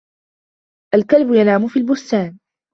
الْكَلْبُ يَنَامُ فِي الْبُسْتانِ.